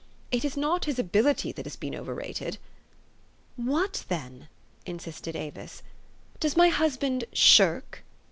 It is not his ability that has been over rated." "What, then?" insisted Avis. "Does my hus band shirk?"